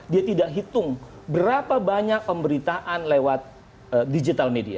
dia tidak hitung berapa banyak pemberitaan lewat digital media